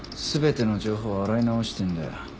全ての情報を洗い直してるんだよ。